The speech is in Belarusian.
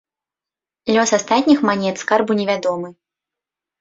Лёс астатніх манет скарбу невядомы.